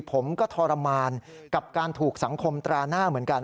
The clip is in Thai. ผมก็ทรมานกับการถูกสังคมตราหน้าเหมือนกัน